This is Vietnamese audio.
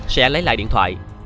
sẽ lấy lại điện thoại